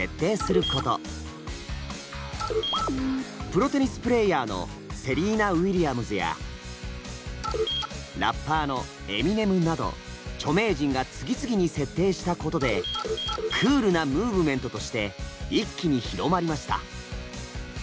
プロテニスプレーヤーのセリーナ・ウィリアムズやラッパーのエミネムなど著名人が次々に設定したことでクールなムーブメントとして一気に広まりました。